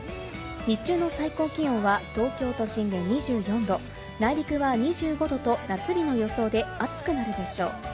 日中の最高気温は東京都心で２４度、内陸は２５度と夏日の予想で暑くなるでしょう。